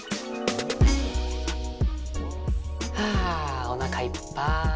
はあおなかいっぱい。